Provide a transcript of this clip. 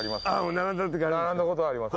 並んだことあります。